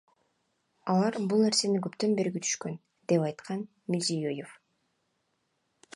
Алар бул нерсени көптөн бери күтүшкөн, — деп айткан Мирзиёев.